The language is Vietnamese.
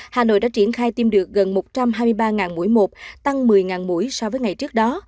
hà nội đã triển khai tiêm được gần một trăm hai mươi ba mũi một tăng một mươi mũi so với ngày trước đó